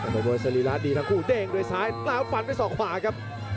มวยสรีร้านดีทั้งคู่เด้งด้วยซ้ายตาอุดปันด้วยสองขวา